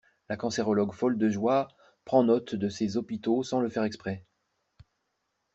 La cancérologue folle de joie prend note de ces hôpitaux sans le faire exprès!